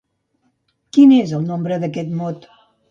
Quin és el nombre d'aquest mot?